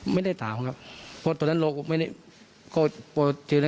ที่ตัวลูกปุ๊บไม่พบกับเอ้าฺนนี้